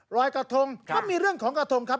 รอยกระทงก็มีเรื่องของกระทงครับ